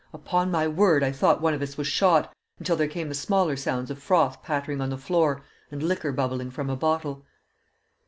Upon my word, I thought one of us was shot, until there came the smaller sounds of froth pattering on the floor and liquor bubbling from a bottle.